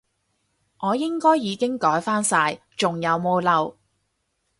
我應該已經改返晒，仲有冇漏？